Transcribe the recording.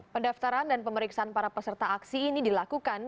pendaftaran dan pemeriksaan para peserta aksi ini dilakukan